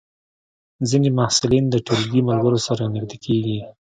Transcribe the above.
ځینې محصلین د ټولګي ملګرو سره نږدې کېږي.